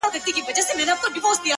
څنگه دي د زړه سيند ته غوټه سمه،